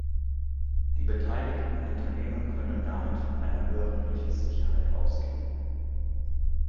Die beteiligten Unternehmen können damit von einer höheren Rechtssicherheit ausgehen.